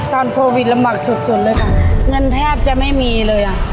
ตอนโควิดลำบากสุดสุดเลยค่ะเงินแทบจะไม่มีเลยอ่ะ